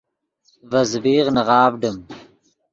ڤے زبیغ نغاڤڈیم